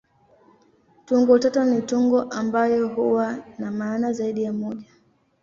Tungo tata ni tungo ambayo huwa na maana zaidi ya moja.